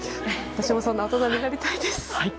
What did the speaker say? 私もそんな大人になりたいです。